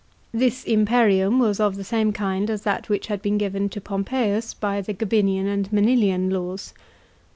This imperium was of the same kind as that which had been given to Pompeius by the Gabinian and Manilian laws.